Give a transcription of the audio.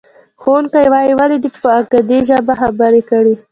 ښوونکی وایي، ولې دې په اکدي ژبه خبرې کړې؟